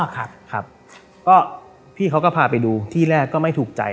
ครับครับก็พี่เขาก็พาไปดูที่แรกก็ไม่ถูกใจ